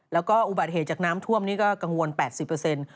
แล้วก็อุบัติเหตุจากน้ำท่วมนี่ก็กังวล๘๐เปอร์เซ็นต์